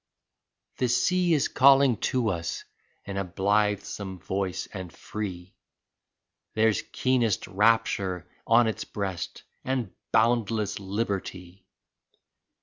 34 The sea is calling to us in a blithesome voice and free, There's keenest rapture on its breast and boundless liberty